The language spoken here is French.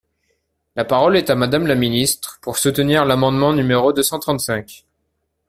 La parole est à Madame la ministre, pour soutenir l’amendement numéro deux cent trente-cinq.